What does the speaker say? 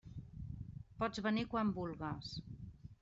Pots venir quan vulgues.